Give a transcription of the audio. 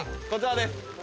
こちらです。